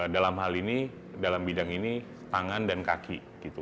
dalam hal ini dalam bidang ini tangan dan kaki